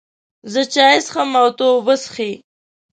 زه چای څښم او ته اوبه څښې